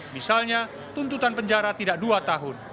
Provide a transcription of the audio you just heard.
misalnya tuntutan penjara tidak dua tahun